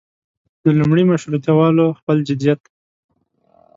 د لومړي مشروطیه والو خپل جديت.